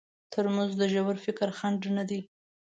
ترموز د ژور فکر خنډ نه دی.